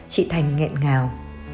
chị thành nghẹn ngào